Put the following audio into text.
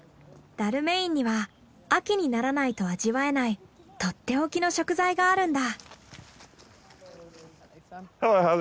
ダルメインには秋にならないと味わえないとっておきの食材があるんだ。